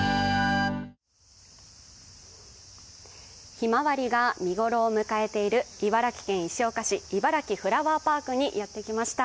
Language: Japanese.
ひまわりが見頃を迎えている茨城県石岡市いばらきフラワーパークにやってきました。